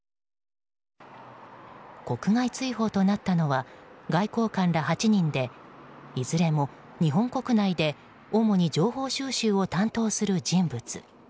国外追放となったのは外交官ら８人でいずれも日本国内で主に情報収集を担当する人物。